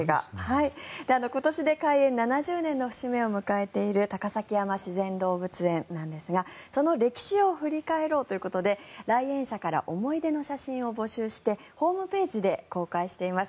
今年で開園７０年の節目を迎えている高崎山自然動物園なんですがその歴史を振り返ろうということで来園者から思い出の写真を募集してホームページで公開しています。